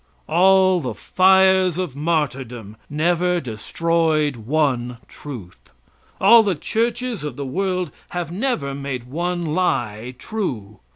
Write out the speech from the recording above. All the fires of martyrdom never destroyed one truth; all the churches of the world have never made one lie true.